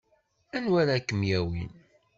Anwa ara kem-yawin?